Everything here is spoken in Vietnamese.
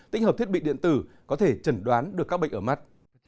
tích hợp thiết bị điện tử có thể chẩn đoán được các bệnh ở mắt